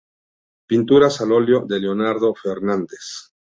Pinturas al óleo de Leonardo Fernández.